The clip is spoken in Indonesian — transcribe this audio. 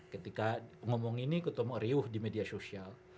ketika ngomong ini ketemu riuh di media sosial